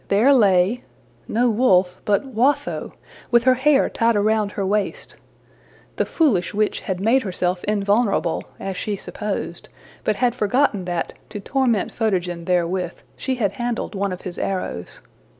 There lay no wolf, but Watho, with her hair tied around her waist! The foolish witch had made herself invulnerable, as she supposed, but had forgotten that, to torment Photogen therewith, she had handled one of his arrows.